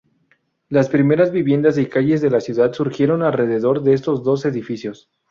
Las primeras viviendas y calles de la ciudad surgieron alrededor de estos dos edificios.